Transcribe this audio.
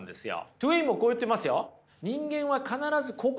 トウェインもこう言ってますよ。